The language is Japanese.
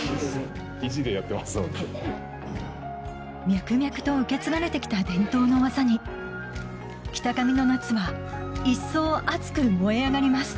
脈々と受け継がれて来た伝統の技に北上の夏は一層熱く燃え上がります